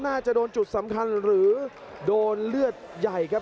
น่าจะโดนจุดสำคัญหรือโดนเลือดใหญ่ครับ